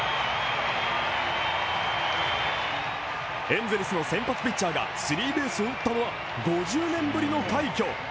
エンゼルスの先発ピッチャーがスリーベースを打ったのは５０年ぶりの快挙。